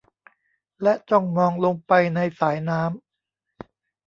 และจ้องมองลงไปในสายน้ำ